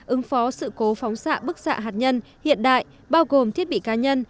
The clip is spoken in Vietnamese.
ứng phó sự cố phóng xạ bức xạ hạt nhân hiện đại bao gồm thiết bị cá nhân